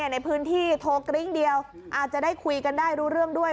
ในพื้นที่โทรกริ้งเดียวอาจจะได้คุยกันได้รู้เรื่องด้วย